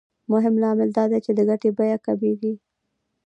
مهم لامل دا دی چې د ګټې بیه کمېږي